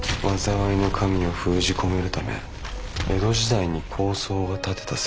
「災いの神を封じ込めるため江戸時代に高僧が建てた石碑。